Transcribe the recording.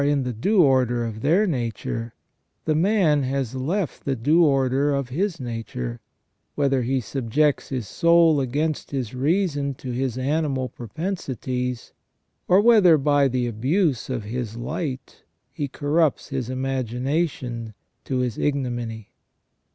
in the due order of their nature, the man has left the due order of his nature, whether he subjects his soul against his reason to his animal propensities, or whether by the abuse of his light he corrupts his imagination to his ignominy.